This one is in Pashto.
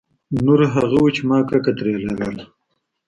نور هغه وو چې ما کرکه ترې لرله.